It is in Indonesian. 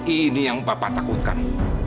ini yang bapak takutkan